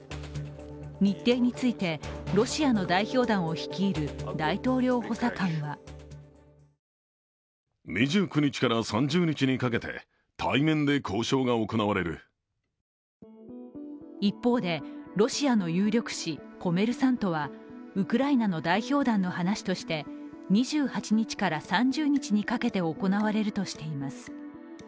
日程について、ロシアの代表団を率いる大統領補佐官は一方で、ロシアの有力紙「コメルサント」はウクライナの代表団の話として、２８日から３０日にかけて行われるとしています。